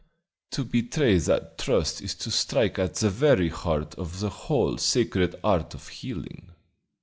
To betray that trust is to strike at the very heart of the whole sacred art of healing.